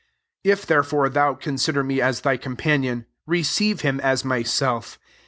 17 If therefore thou consider me aa thy companion, receive him as myself.